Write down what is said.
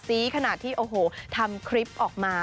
ซีขนาดที่ทำคลิปออกมา